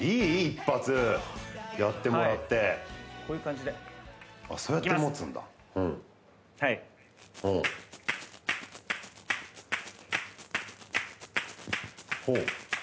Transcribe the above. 一発やってもらってはいこういう感じでそうやって持つんだいきます！